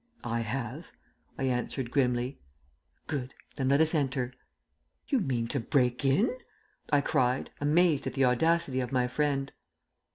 "I have," I answered grimly. "Good! Then let us enter!" "You mean to break in?" I cried, amazed at the audacity of my friend.